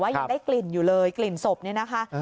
ยังได้กลิ่นอยู่เลยกลิ่นศพนี่นะคะ